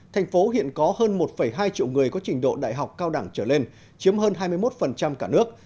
thành phố hiện có hơn một hai triệu người có trình độ đại học cao đẳng trở lên chiếm hơn hai mươi một cả nước